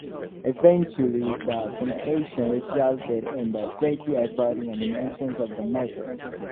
Eventually the complications resulted in the treaty avoiding any mention of the matter.